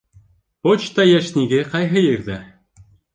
Почта йәшниге ҡайһы ерҙә?